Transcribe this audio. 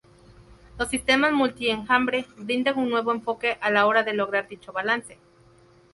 Los sistemas multi-enjambre brindan un nuevo enfoque a la hora de lograr dicho balance.